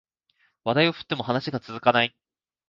話題を振っても話が続かない